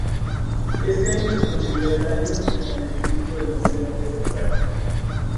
Este año se considera el año de establecimiento del Museo Etnográfico.